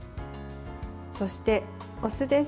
そして、お酢です。